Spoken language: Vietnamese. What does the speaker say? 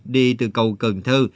đi từ cầu cần thơ